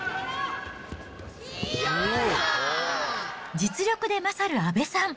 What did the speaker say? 実力で勝る阿部さん。